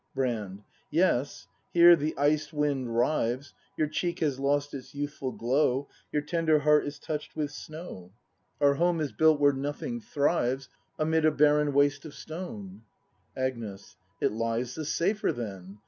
Brand. Yes, here the ice wind rives; Your cheek has lost its youthful glow. Your tender heart is touch'd with snow. 104 BRAND [ACT in Our home is built where nothing thrives. Amid a barren waste of stone. Agnes. It lies the safer, then!